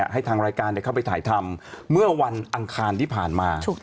ให้ทางรายการเข้าไปถ่ายทำเมื่อวันอังคารที่ผ่านมา